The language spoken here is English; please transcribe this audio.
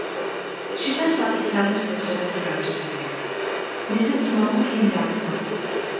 She sent up to tell her sister that the brothers were there. Mrs. Small came down at once.